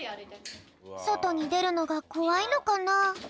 そとにでるのがこわいのかな？